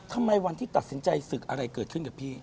ทำไมวันที่ตัดสินใจศึกอะไรเกิดขึ้นกับพี่